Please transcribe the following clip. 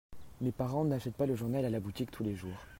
Mes parents n'achètent pas le journal à la boutique tous les jours.